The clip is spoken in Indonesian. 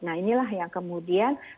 nah inilah yang kemudian lukanya bisa sembuh